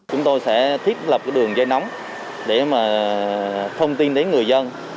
chúng tôi sẽ thiết lập cái đường dây nóng để mà thông tin đến người dân